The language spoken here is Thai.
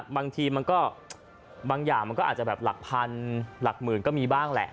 บางอย่างมันก็อาจจะหลักพันหลักหมื่นก็มีบ้างแหละ